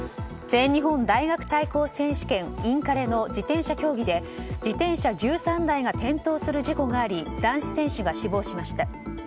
全日本大学対抗選手権インカレの自転車競技で自転車１３台が転倒する事故があり男子選手が死亡しました。